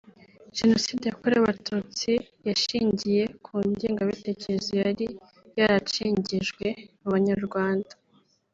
Jenoside yakorewe Abatutsi yashingiye ku ngengabitekerezo yari yaracengejwe mu Banyarwanda